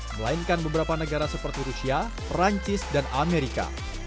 melainkan beberapa negara seperti rusia perancis dan amerika